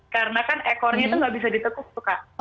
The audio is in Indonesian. karena kan ekornya tuh gak bisa ditekuk tuh kak